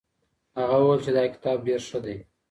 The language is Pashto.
هغه وویل چي دا کتاب ډېر ښه دی.